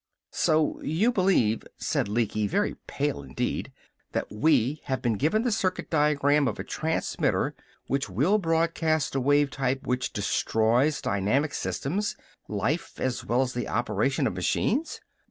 "So you believe," said Lecky, very pale indeed, "that we have been given the circuit diagram of a transmitter which will broadcast a wave type which destroys dynamic systems life as well as the operation of machines.